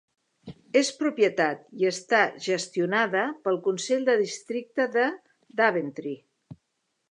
És propietat i està gestionada pel Consell de Districte de Daventry.